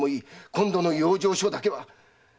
今度の養生所だけは！